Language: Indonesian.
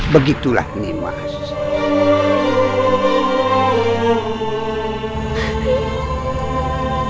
begitulah nih mas